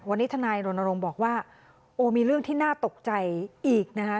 วันนี้ทนายรณรงค์บอกว่าโอ้มีเรื่องที่น่าตกใจอีกนะคะ